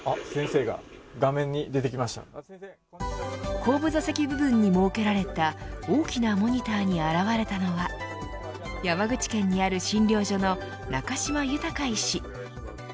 後部座席部分に設けられた大きなモニターに現れたのは山口県にある診療所の中嶋裕医師。